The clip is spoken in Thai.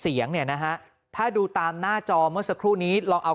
เสียงเนี่ยนะฮะถ้าดูตามหน้าจอเมื่อสักครู่นี้ลองเอา